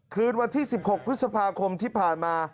คืนวันที่๑๖พฤษภาคมที่ผ่านมา